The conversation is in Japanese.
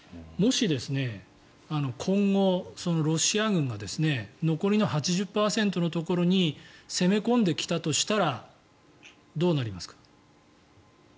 もし、今後、ロシア軍が残りの８０％のところに攻め込んできたとしたらどうなりますか。